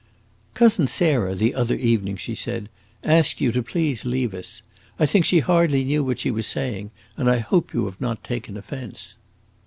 "Cousin Sarah, the other evening," she said, "asked you to please leave us. I think she hardly knew what she was saying, and I hope you have not taken offense."